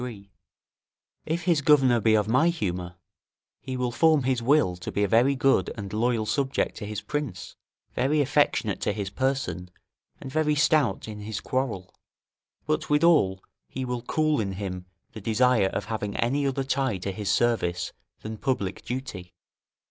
3.] If his governor be of my humour, he will form his will to be a very good and loyal subject to his prince, very affectionate to his person, and very stout in his quarrel; but withal he will cool in him the desire of having any other tie to his service than public duty.